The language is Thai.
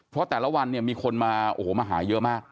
เพราะแต่ละวันเนี่ยมีคนมาโอ้โหมาหาเยอะมาก